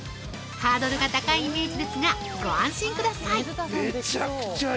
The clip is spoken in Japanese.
ハードルが高いイメージですがご安心ください。